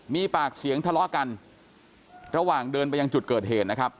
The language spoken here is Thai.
มีปากเสียงทะเลาะกันระหว่างเดินไปยังจุดเกิดเหตุนะครับ